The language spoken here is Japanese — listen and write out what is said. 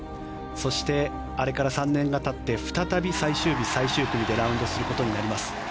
そして、あれから３年がたって再び最終日、最終組でラウンドすることになります。